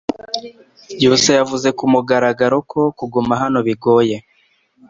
Byusa yavuze kumugaragaro ko kuguma hano bigoye